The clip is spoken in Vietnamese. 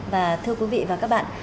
và thưa quý vị và các bạn